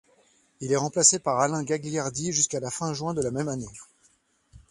Il est remplacé par Alain Gagliardi jusqu'à la fin juin de la même année.